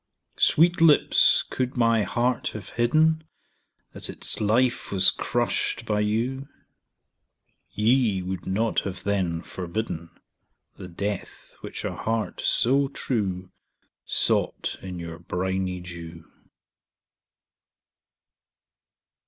_15 4. Sweet lips, could my heart have hidden That its life was crushed by you, Ye would not have then forbidden The death which a heart so true Sought in your briny dew.